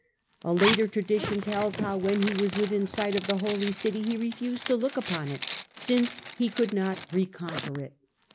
A later tradition tells how, when he was within sight of the Holy City, he refused to look upon it, since he could not reconquer it.